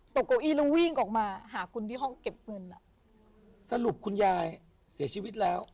เก้าอี้แล้ววิ่งออกมาหาคุณที่ห้องเก็บเงินอ่ะสรุปคุณยายเสียชีวิตแล้ว